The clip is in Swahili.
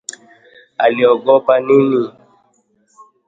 aliogopa nini?